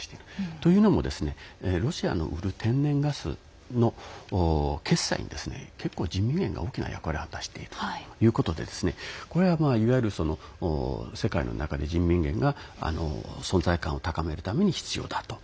というのも、ロシアの売る天然ガスの決済に結構、人民元が大きな役割を果たしているということでこれはいわゆる世界の中で人民元が存在感を高めるために必要だと。